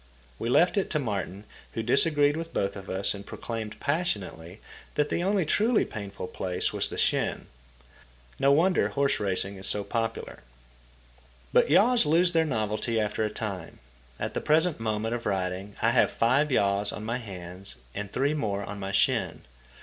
We left it to Martin, who disagreed with both of us and proclaimed passionately that the only truly painful place was the shin. No wonder horse racing is so popular. But yaws lose their novelty after a time. At the present moment of writing I have five yaws on my hands and three more on my shin.